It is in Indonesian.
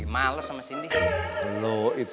males sama sindi